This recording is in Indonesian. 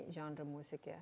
genre musik ya